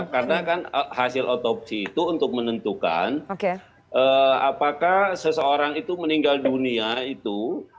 karena kan hasil otopsi itu untuk menentukan apakah seseorang itu meninggal dunia itu